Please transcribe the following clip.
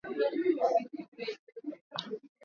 Unaweza kutumia kwa sentensi yako